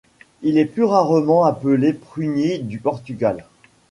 Il est plus rarement appelé prunier du Portugal.